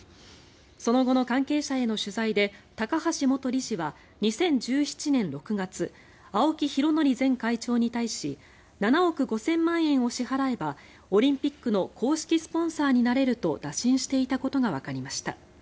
その後の関係者への取材で高橋元理事は２０１７年６月青木拡憲前会長に対し７億５０００万円を支払えばオリンピックの公式スポンサーになれると打診していたことがわかりました。